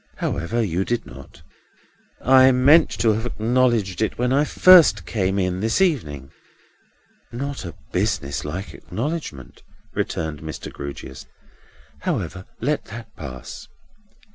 However, you did not." "I meant to have acknowledged it when I first came in this evening, sir." "Not a business like acknowledgment," returned Mr. Grewgious; "however, let that pass.